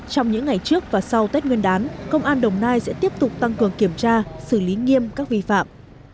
trong những ngày trước và sau tết nguyên đán công an đồng nai sẽ tiếp tục tăng cường kiểm tra xử lý nghiêm các vi phạm